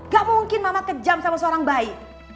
gak mungkin mama kejam sama seorang bayi